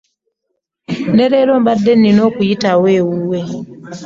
Ne leero mbadde nnina okuyitawo ewuwo.